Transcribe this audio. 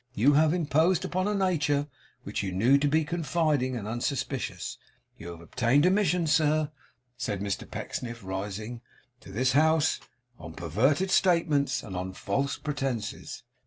You have imposed upon a nature which you knew to be confiding and unsuspicious. You have obtained admission, sir,' said Mr Pecksniff, rising, 'to this house, on perverted statements and on false pretences.